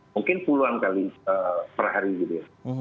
mungkin puluhan kali per hari gitu ya